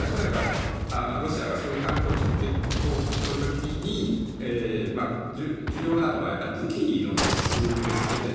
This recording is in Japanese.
ロシアがそういう環境を作っていこうとする時に重要なのは武器の輸出ですよね。